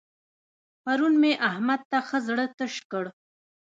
پرون مې احمد ته ښه زړه تش کړ.